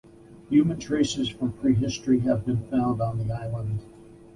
Human traces from prehistory have been found on the island.